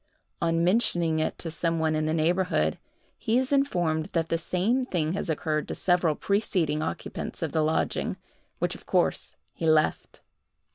On mentioning it to some one in the neighborhood, he is informed that the same thing has occurred to several preceding occupants of the lodging, which, of course, he left.